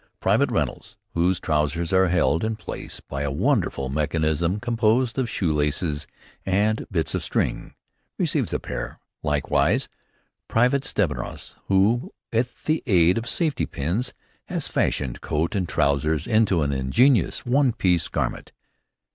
Private Reynolds, whose trousers are held in place by a wonderful mechanism composed of shoe laces and bits of string, receives a pair; likewise, Private Stenebras, who, with the aid of safety pins, has fashioned coat and trousers into an ingenious one piece garment.